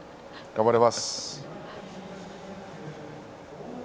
頑張ります。